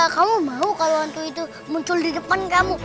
kamu mau kalau hantu itu muncul di depan kamu